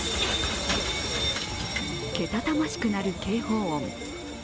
けたたましく鳴る警報音。